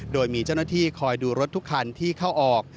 โดยมีเจ้าหน้าที่คอยดูรถทุกคันที่เข้าออก